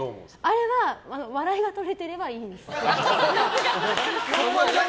あれは笑いがとれてればいいんです。